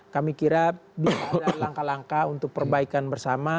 kami kira bisa ada langkah langkah untuk perbaikan bersama